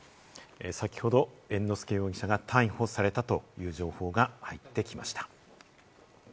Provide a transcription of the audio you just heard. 先ほど猿之助容疑者が逮捕されたという情報が入ってきました。